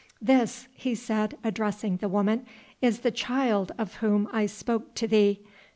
"This," he said, addressing the woman, "is the child of whom I spoke to thee.